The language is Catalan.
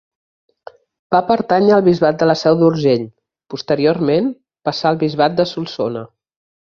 Va pertànyer al bisbat de la Seu d'Urgell, posteriorment passà al bisbat de Solsona.